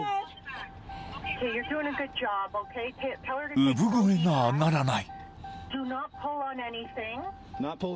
［産声が上がらない］